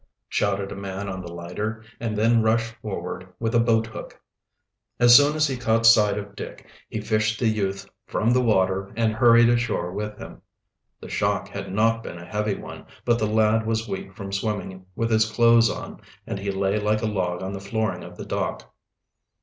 shouted a man on the lighter, and then rushed forward with a boathook. As soon as he caught sight of Dick he fished the youth from the water and hurried ashore with him. The shock had not been a heavy one, but the lad was weak from swimming with his clothes on, and he lay like a log on the flooring of the dock.